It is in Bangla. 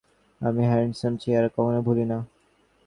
আমি হ্যান্ডসাম চেহারা কখনো ভুলি না।